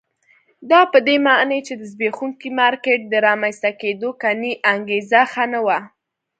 دا په دې معنی چې د زبېښونکي مارکېټ د رامنځته کېدو انګېزه نه وه.